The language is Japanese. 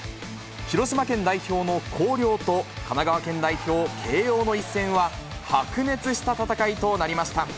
広島県代表の広陵と、神奈川県代表、慶応の一戦は、白熱した戦いとなりました。